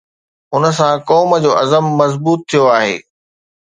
ان سان قوم جو عزم مضبوط ٿيو آهي.